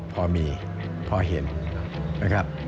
พอมีพอเห็นนะครับ